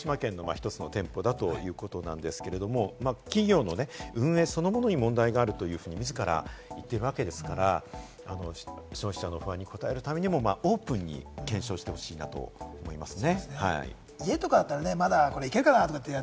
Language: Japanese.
今回、発覚したのは福島県の１つの店舗だということなんですけれども、企業の運営そのものに問題があるというふうにみずから言っているわけですから消費者の不安に応えるためにもオープンに検証してほしいなと思いますね。